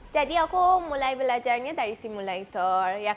jadi aku mulai belajarnya dari simulator